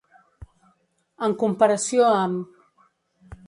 En comparació amb.